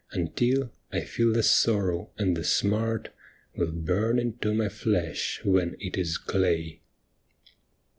Until I feel the sorrow and the smart Will burn into my flesh when it is clay.